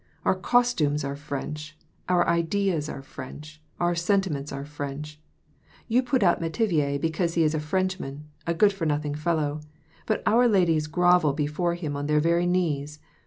" Our costumes are French ; our ideas are French ; our sentiments are French. You put out Metivier because he is a Frenchman, a good for nothing fellow ; but our ladies grovel before him on their very knees.